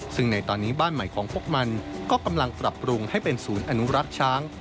ซึ่งในตอนนี้บ้านใหม่ของพวกมันก็กำลังปรับปรุงให้เป็นศูนย์อนุรักษ์ช้าง